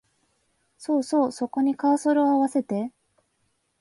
そうそう、そこにカーソルをあわせて